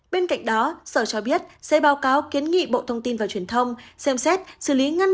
bên cạnh đó sở cho biết sẽ báo cáo kiến nghị bộ thông tin và truyền thông xem xét xử lý ngân